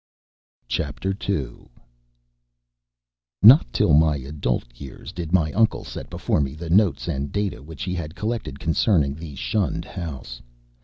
2 Not till my adult years did my uncle set before me the notes and data which he had collected concerning the shunned house.